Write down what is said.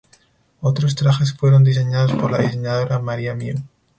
Otros trajes fueron diseñados por la diseñadora Maria Miu.